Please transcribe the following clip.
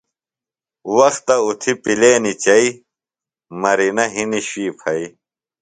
وختہ اُتھیۡ پیلینیۡ چئیۡ، مرینہ ہنیۡ شُوی پھئیۡ